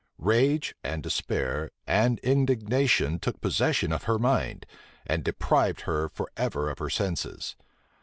Rage, and despair, and indignation took possession of her mind, and deprived her forever of her senses.